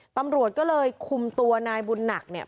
ตำรวจก็เลยคุมตัวนายบุญหนักเนี่ย